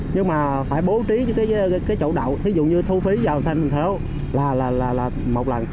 nhưng mà phải bố trí cái chỗ đậu ví dụ như thu phí vào thành phố là một lần